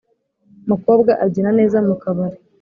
mukobwa abyina neza mukabari.